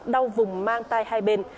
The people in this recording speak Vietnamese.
đau vùng mang tai hai bên